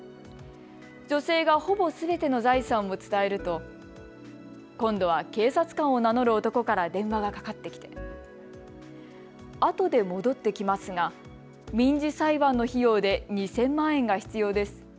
女性がほぼすべての財産を伝えると今度は警察官を名乗る男から電話がかかってきてあとで戻ってきますが民事裁判の費用で２０００万円が必要です。